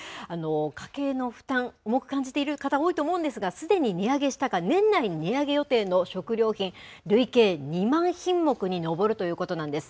家計の負担、重く感じている方、多いと思うんですが、すでに値上げしたか、年内に値上げ予定の食料品、累計２万品目に上るということなんです。